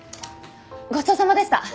ごちそうさまでした。